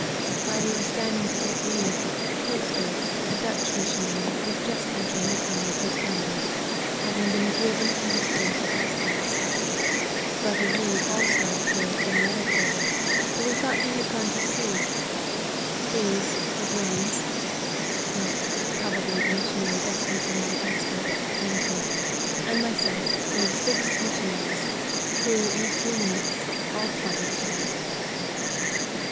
While we were standing to take leave, Koster, a Dutch missionary, was just entering the town with his bundle, having been driven from his place of residence. Brother Read, also, appeared from another quarter, though we thought he had gone to sea. These, with Yons,* and myself, made six missionaries, who, in a few minutes, all parted again."